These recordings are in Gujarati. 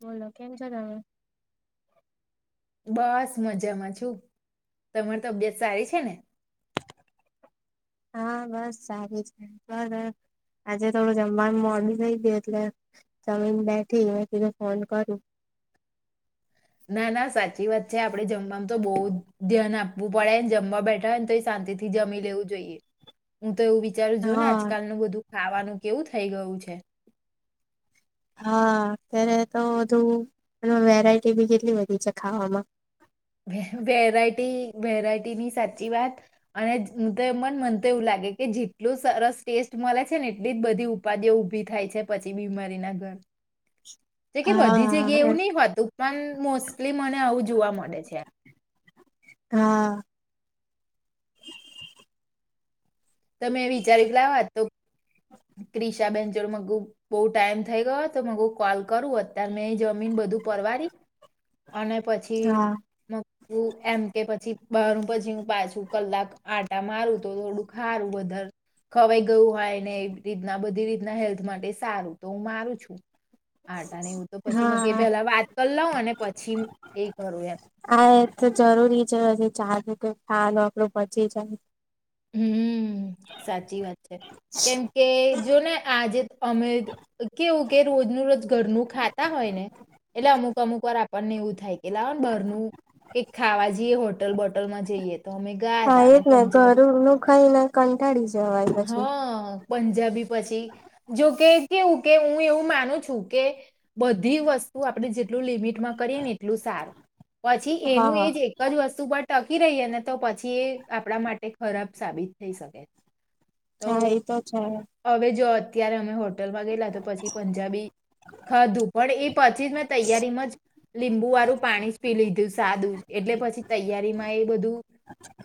બોલો કેમ છો તમે? બસ મજામાં છું, તમારી તબિયત સારી છે ને? હા, બસ સારી છે પર આજે થોડું જમવાનું મોડું થઈ ગયું, એટલે જમીને બેઠી મે કીધું ફોન કરું ના ના સાચી વાત છે, આપડણે જમવાનું તો બો ધ્યાન આપવું પડેને જમવા બેઠા હોયને તો શાંતિ થી જમી લેવું જોઈએ. તો એવું વિચારું જો ને હા આજકાલનું બધું, ખાવાનું કેવું થઈ ગયું છે, હા, અત્યારે તો બધું વેરાયટી ભી કેટલી બધી છે, ખાવામાં વેરાયટી વેરાયટીની સાચી વાત અને તો મને મન તો એવું લાગે કે જેટલું સરસ ટેસ્ટ મળે છે, ને એટલી જ બધી ઉપાધિઓ ઉઊભી થાય છે, પછી બીમારીના ઘર જે કે બધી જગ્યા હા એવું ન હોતું પણ મોસ્ટલી મને આવું જોવા મળે છે, હા તમે [unintelligible] તો ક્રિષ બો ટાઈમ થઈ ગયો તો, કોલ કરું અત્યારે મેં જમીન બધું પરવારી અને પછી હા મ ઉ એમ કે પછી બહાર પછી હું પાછું કલાક આટા મારું તો થોડુંક, હારું વધારે ખવાઈ ગયું હોય, ને એ રીતના બધી રીતના હેલ્થ માટે સારું તો હું મારું છું. આટા ને એવું તો પછી હા પેલા વાત લઉં અને પછી એ કરું એમ આ એ તો જરૂરી છે [unintelligible] હમ્મ. હમ્મ સાચી વાત છે કેમ કે જો ને આજે અમે કેવું કે રોજનું રોજ ઘરનું ખાતા હોય ને એટલે અમુક અમુક વાર આ આપને એવું થાય કે લાવ ને ભરનું કે ખાવા જઈએ હોટલ બોટલ માં જઈએ. તો અમે ગા ત પંજાબી ખઈ ને કંટાળીશ જવાય પછી. હા પંજાબી પછી જોકે કેવું કે હું એવું માનું છું કે બધી વસ્તુ આપણે જેટલું લિમિટમાં કરીએ ને એટલું સારું. પછી એનું હા એજ એક જ વસ્તુ પ ટકી રહીએ ને તો પછી એ આપણા માટે ખરાબ સાબિત થઈ શકે. હા એ તો છે. ત્યારે અમે હોટલમાં ગયેલા તો પછી પંજાબી ખાધું પણ એ પછી જ મેં તૈયારીમાં જ લીંબુ વાળું પાણી જ પી લીધું સાદું એટલે પછી તૈયારીમાં એ બધું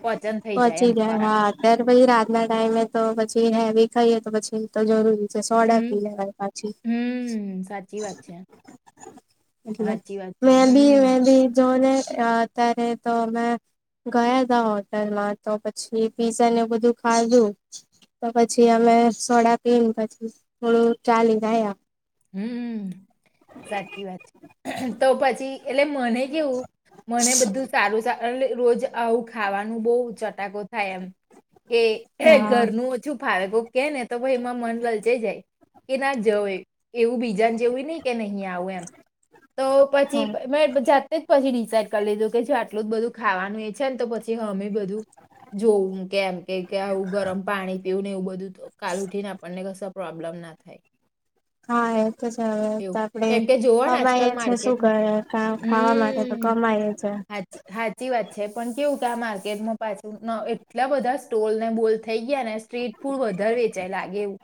પચન થઈ પહોંચી એમ જાય ખોરાક હા અત્યારે પછી રાતના ટાઈમે તો પછી હેવી ખાઈએ તો પછી તો જરૂરી સોડા હમ પી લવા પાછી. હમ સાચી વાત છે સાચી વાત છે મે ભી હમ મે ભી જોનને અત્યારે તો અમે ગયા તા હોટલમાં તો પછી પીઝા ને બધું ખાધું તો પછી અમે સોડા પીને પછી થોડું ચાલી ગયા. હમ્મ. સાચી વાત છે. તો પછી એટલે મને કેવું મને બધું સારું અને રોજ આવું ખાવાનું બહુ ચટ થાય એમ કે હા ઘરનું ઓછું ફાવે. કે ને તો ભાઈ એમાં મંડલ જઈ જાય. કે ના જવય એવું બીજાને જેવું નહી કે નહીં આવું એમ તો પછી હા મેં જાતે જ પછી ડિસાઇડ કરી લીધું કે આટલું જ બધું ખાવાનું એ છે ને તો પછી હમે બધું જોવું કેમ કે આવું ગરમ પાણી પીવું ને એવું બધું તો કાલ ઉઠી ને આપણને પ્રોબ્લેમ ના થાય. હા એ તો છે હવે તો એવું આપડે કેમ કે જોવા ને કમાય આજકાલ છે શું માર્કેટમાં કર ખાવા માટે તો હમ કમાય છે. હાચી હાચી વાત છે પણ કેવું કે આ માર્કેટમાં પાછું એટલા બધા સ્ટોલને બોલ થઈ ગયા ને સ્ટ્રીટ. પૂર વધારે વેચાય લાગે એવું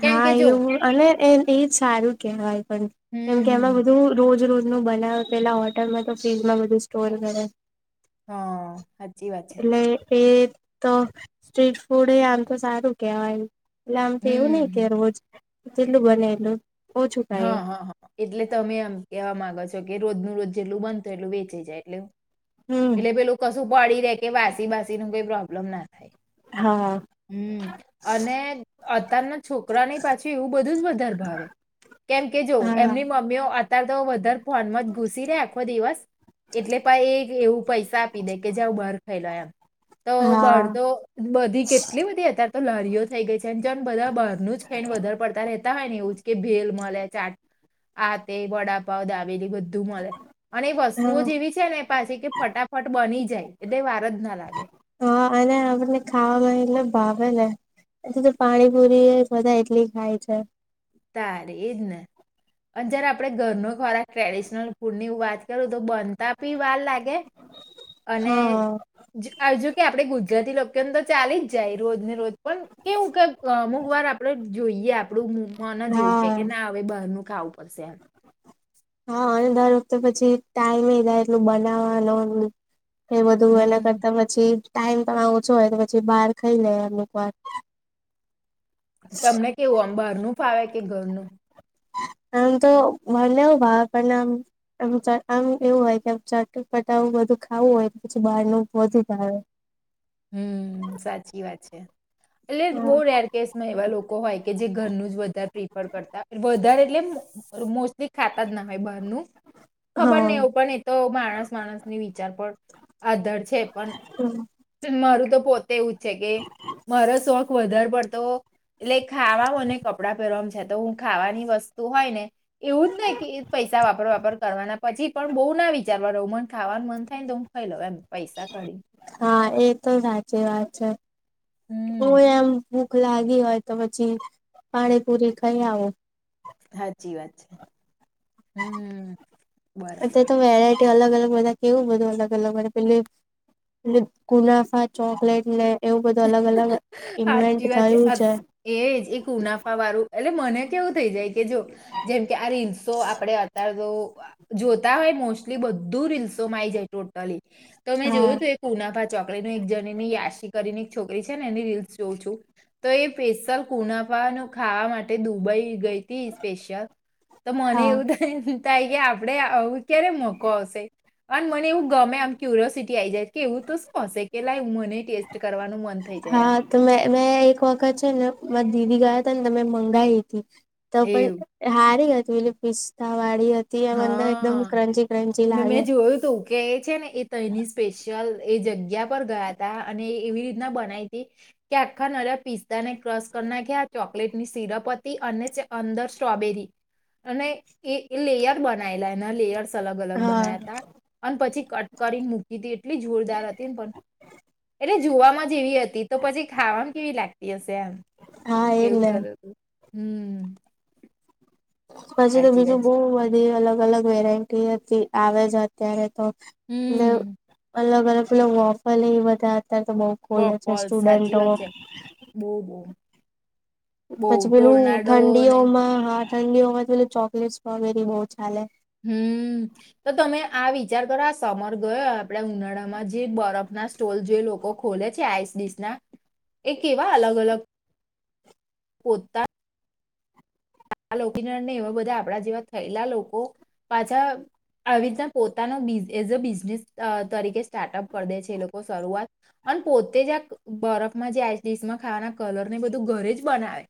કેમ કે હા જો એવું અને એ સારું કેહેવાય. કેમ હમ કે એમાં હમ બધું રોજ રોજ નું બનાવ પેલા હોટલમાં તો ફ્રીજમાં બધું સ્ટોર કરે. હા. વાત છે એટલે એ તો સ્ટ્રીટ ફૂડ આમ તો સારું કેહેવાય. એટલે આમ તો એવું નહિ હમ કે હમ રોજ લું બનેલું હા હા હા એટલે તમે આમ કેવા માંગો છો કે રોજ ન રોજ જેટલું બનતો એટલું વેચી જાય એટલું હમ એટલે પેલું કશું પડી રે કે વાસી બાસી ન કઈ પ્રોબ્મ બલમ નાને હા હમ અને અત્યારના છોકરાની પાછી એવું બધું જ વધારે ભાવે કેમ કે જો હા એમની મમ્મીઓ અ તો વધારે ફોનમાં જ ઘુસી રે આખો દિવસ એટલે પણ એ એવું પૈસા આપી દે કે જેું બહાર ખાઈ લો એમ તો પૈસા હા આપીદે કે જાઓ બહાર ખાઈલો એમ તો બહાર તો બધી કેટલી બધી અત્યારે તો લારીઓ થઈ ગઈ છે જોમ બધા બહારનું જ ખાઈને વધારે પડતા રેતા હોય ને એવું કે ભેલ મળ ચાટ આતે વડાપાવ દાબેલી બધ બધું મળે અને એ વસ્તુઓ હા જેવી છે ને એ પાછી કે ફટાફટ બની જાય એટલે વાર જ ના લાગે. હા અને આપણને ખાવામાં એટલે ભાવે ને એ તો પાણીપુરી બધા એટલી ખાય છે. તારે એજ ને અને જ્યારે આપડે ઘરનો ખોરાક ટ્રેડિશનલ ફૂડ ની વાત કરું તો બનતા પી વાર લાગે અને હા આ જોકે આપણે ગુજરાતી લોકોને તો ચાલી જ જાય રોજ ને રોજ. પણ કેવું કે અમુકવાર આપડું. જોઈએ. આપડું મનજ એવુ કે હા કે ના આવે બારનું ખાવું પડશે એમ. હા અને દર વખતે પછી ટાઈમ થાય એટલું બનાવાનો એ બધું વેલા હમ. કરતા પછી. ટાઈમ પણ ઓછો હોય તો પછી બહાર ખાઈ લે અમુક વાર. તમને કેવું આમ બાર નું ફાવે? કે ઘરનું? આમ તો બને એવું ભાવે પણમ આમ એવું હોય કે ચટ પટાાવું બધું ખાવું હોય પછી બહાર નું વધી જાવે. હમ્મ, સાચી વાત છે એટલે બહુ રેર કેસમાં એવા લોકો હોય કે જે ઘરનું જ વધારે પ્રિફર કરતા હોય વધારે એટલે એમ મોસ્ટ્લી ખા તા જ ના હોય બહારનું ખબર નઈ હા એવું પણ એ તો માણસ માણસની વિચાર પર આધાર છે પણ મારું તો પોતે એવું છેે કે મારા શો વધારે પડતો એટલે ખાવા અને કપડાં પહેરવામાં છે તો હું ખાવાની વસ્તુ હોય ને એવું જ નહીં કે પૈસા વાપર વાપર કરવાના પછી પણ બહુ ના વિચારવા રહું મન ખાવાનું મન થાય ને તો હું ખાઈ લઉં એમ. પૈસા કાઢીને. હા એ તો સાચી વાત છે. હમ હુંય એમ ભૂખ લાગી હોય તો પછી પાણીપુરી ખાઈ આવું. સાચી વાત છે. હમ્મ બરાબર. યટી અલગ-અલગ બધા કેવું બધું અલગ અલગ પેહલે એ ગુનાફા ચોકલેટને સાચી વાત છે એજ એક ગુનાફાવાળું એટલે મને કેવું થઈ જાય કે જો જેમ કે આ રીલ્સો આપણે અત્યારે તો જોતા હોય મોસ્ટલી બધું રીલ્સો મા આઈ જાય ટોટલી તો મેં જોયું હા હતું એક ઉનાફા ચોકલેટનું એક જણીની યાશિ છોકરી છે ને રીલ્સ જોઉં છું તો એ સ્પેશલ કુનાફા ખાવા માટે દુબઈ ગઈ સ્પેશિલ તો મને હા. એવું થયું ગયા આપડે આવું ક્યારે મોકો આવશે અને મને એવું ગમે આમ ક્યુરિસિટી આઈ જાય કે એવું તો શું હશે કે લાય મનેય ટેસ્ટ કરવાનું મ હા તો મે મેં એક વખત છે ને મારા દીદી ગયા હતા ને તમે મંગાઈ હતી. તો એવું પણ હારી હ તુંલે પિસ્તાવાળી અંદર એકદમ હા ક્રન્ચી ક્રંચી ને લાગે. મેં જોયું હતું કે છે ને એ તઈની સ્પેશિયલ એ જગ્યા પર ગયા તત અને એ એવી રીતના બનાઈ હતી કે આખા નર્યા પિસ્તા ને ક્રશ કરી નાખ્યા ચોકલેટની સિરપ હતી અને અંદર સ્ટ્રોબેરી અને એ એ લેયર બનાયેલા એના લેયરસ અલગ અલગ હા. બનાયાતા અને પછી કટ કરીને મૂકી તી એટલી જોરદાર હતી ને પણ. એટલે જોવામાં જેવી હતી તો પછી ખાવામાં કેવી લાગતી હશે એમ. હા એજ એવું ને થતું હતું. હમ્મ. પછી તો બીજું બઉ વધે અલગ અલગ વેરાયટી હતી આવે છે અત્યારે તો એલે હમ અલગ અલગ. [unintelligible] ત્યારે તો બઉ કોલેજ બફોલ હોસ્ટેલ બંદ સાચી વાત પડે. છે બહુ બહુ બહુ પછી પેલું ટોર્નાડો ને ઠંડીઓમાં હા ઠંડીઓમાં પેલું ચોકલેટ સ્ટ્રોબેરી બહુ ચાલેે. હમ તો તમે આ વિચાર કરો આ સમર ગયો આપડે ઉનાળામાં જે બરફના સ્ટોલ જે લોકો ખોલે છે આઈસ ડીસ ના એ કેવા અલગ અલગ પોતા નઈ એવા બધા આપડા જેવા થયેલા લોકો પાછા આવી રીતના પોતાનો બ એઝ અ બિઝનેસ તરીકે સ્ટાર્ટઅપ કરી દે છે એ લોકો શરૂઆત અન પોતે જ આ બરફમાં જે આઈસડીશમાં ખાવાના કલરને બધું ઘરે જ બનાવે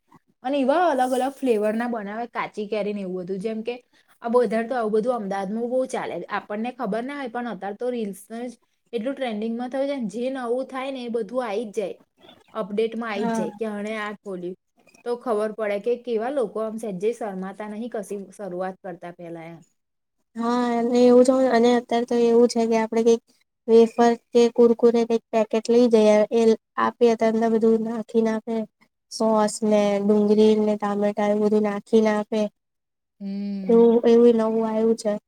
અને એવા અલગ અલગ ફ્લેવર ના બનાવે કાચી કેરીને એવું બધું જેમ કે આ બધારે તો આવું બધું અમદાવાદમાં બઉ ચાલે આપણને ખબર ના હોય પણ અત્યારે તો રીલ્સ એટલું ટ્રેન્ડિંગમાં થયું છે જે નવું થાય ને એ બધું આઈ જાય અપડેટમાં આવી હા. જાય કે આણે આ ખોલ્યું. તો ખબર પડે કે કેવા લોક કો આમ સંજય શર્માતા નહી કસી શરૂઆત કરતા પેહેલા એ. હા અને એવું છે અને અત્યારે તો એવું છે કે આપડે કઈક વેફર કે કુરકુરેને કઈક પેકેટ લઈ જઈએ એ આપી અત બધું નાખી નાખે સોસ ને ડુંગળી ને ટામેટા એવુ બધું નાખી ના આપે. એવું એવું નવું એવુ. છા.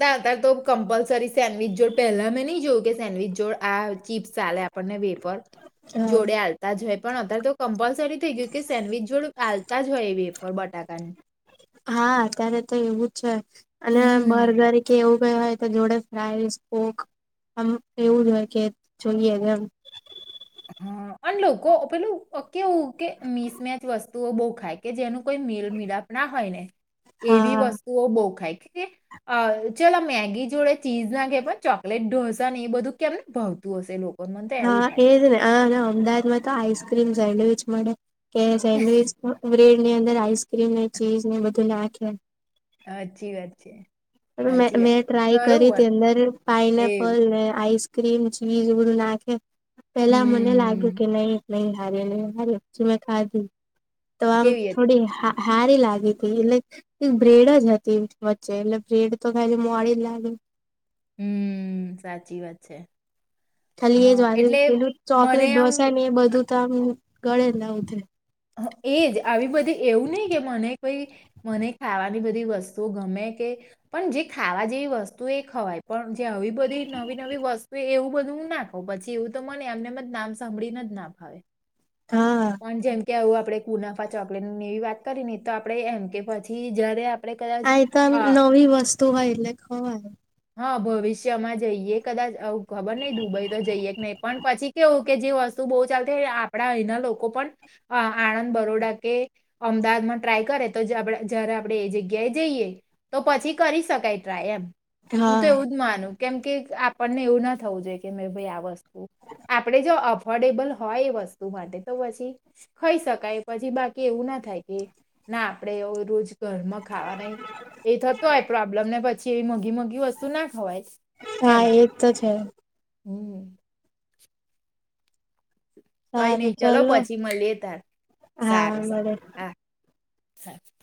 તાર તાર તો કમ્પલસરી સેન્ડવીચ જો પહેલા મેં નહી જોયું કે સેન્ડવીચ જોડ આ ચીપ્સ આલે આપણને વેર પર હા. જોડે આવતા જ હોય પણ અત્યારે તો કમ્પલસરી થઈ ગયું કે સેન્ડવિચ જોડું ચાલતા જ હોય એ બેફોર બટાકાની. હા અત્યારે તો એવું છે. અને હમ્મ બરગર કે એવું લઇ હોય તો જોડે રાઈસ સ્પોક આમ એવું જ હોય કે જોઈએ એમ. હ અન લોકો પેલું કેવું કે મિસમેચ વસ્તુઓ બહુ ખાય કે જેનું કોઈ મેલ મિલાપ ના હોય ને એવી હા વસ્તુઓ બોખાય. કે અ ચલા મેગી જોડે ચીઝ ના કેહે પણ ચોકલેટ ઢોસા એ બધું ક્યારે ક ભાવતું હશે લો? કો મન આવું થાય. આ અમદાવાદ માં તો આઈસક્રીમ સેન્ડવીચ મળે. કે સેન્ડવિચ બ્રે ની અંદર આઈસક્રીમ ને ચીઝ ને બધું નાખે. હાચી વાત છે. અને મે સાચી મેં વાત ટ્રાય ખરું કરી પણ તી અંદર પાઇનેપલ એવું ને આઈસ ક્રીમ ચીઝ ને એ બધુ નાખે. પેલા મને લાગ્યું હમ કે નહી નહી હરે નહી હરે પછી મેં ખાધી. તો આમ કેવી હતી થોડી હા હારી લાગી હતી એટલે એક બ્રેડ જ હતી વચ્ચે એટલે. બ્રેડ તો ખાલી મોડી લાગે. હમ્મ સાચી વાત છે. ખાલી એ હા જ ભાયું એટલે પેલું મને ચોકલેટ આમ ડોસા ને એ બધું તમ ગળે ના ઉતરે. એજ આવી બધી, એવું નહી કે મને કોઈ, મને ખાવાની બધી વસ્તુઓ ગમે, કે પણ જે ખાવા જેવી વસ્તુ એ ખવાય, પણ. જે આવી બધી નવી નવી વસ્તુ, એવું. બધું નાખાવું, પછી એવું તો મને એમને એમ નામ સાંભળીને જ ના ફાવે. હા પણ જેમ કે આવું આપડે કુનાફા ચોકલેટ, એવી વાત કરી ને, તો આપડે એમ કે, પછી જયારે આ તો નવી વસ્તુ હોય, એટલે ખવાય. હા, ભવિષ્યમાં જોઈએ, કદાચ. ખબર નહીં, દુબઈ તો જઈએ કે નહીં. પણ પછી કેવું કે, જે વસ્તુ બહુ ચાલતી, આપડા અહીના લોકો. લોકો પણ આણંદ, બરોડા કે અમદાવાદમાં ટ્રાય કરે, તો જ્યારે આપણે એ જગ્યાએ જઈએ, તો પછી કરી શકાય ટ્રાય, એમ. હું હા. તો એવું જ માનું. કેમ કે, આપણને એવું ના થવું જોઈએ કે, ભાઈ, આ વસ્તુ આપણે જો અફોર્ડેબલ હોય, એ વસ્તુ માટે. તો પછી ખાઈ શકાય, પછી બાકી એવું ના થાય કે, ના, આપડે રોજ. ઘર માં ખાવા ન એ થતો હોય પ્રોબ્લેમ ને, પછી. જેવી મોઘી મોઘી વસ્તુ ના ખવાય. હા, એમ એજ તો છે. હમ. કઈ સારું નહીં. ચાલો, ચલો પછી મળીએ. તો હા સારું, સારું. મળે. હા. સારું